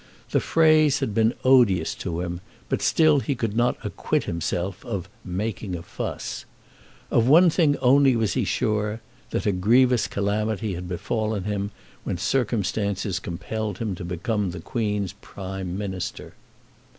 The phrase had been odious to him, but still he could not acquit himself of "making a fuss." Of one thing only was he sure, that a grievous calamity had befallen him when circumstances compelled him to become the Queen's Prime Minister.